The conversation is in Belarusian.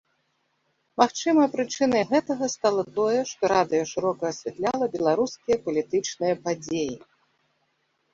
Магчыма, прычынай гэтага стала тое, што радыё шырока асвятляла беларускія палітычныя падзеі.